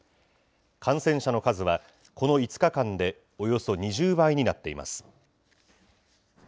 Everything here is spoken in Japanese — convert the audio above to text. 感染者の数は、この５日間で、およそ２０倍になっています。